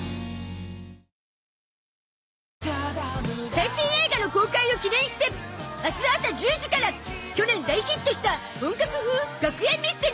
最新映画の公開を記念して明日朝１０時から去年大ヒットした本格学園ミステリー